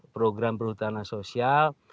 program perhutanan sosial